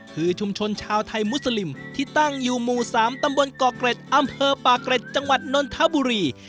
คือชุมชนชาวไทยมุสลิมที่ตั้งอยู่หมู่๓ตำบลเกาะเกร็ดอำเภอปากเกร็ดจังหวัดนนทบุรี